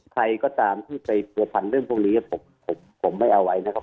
ใครก็ตามที่ไปผัวพันเรื่องพวกนี้ผมไม่เอาไว้นะครับ